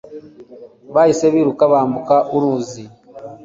Bahise biruka bambuka uruzi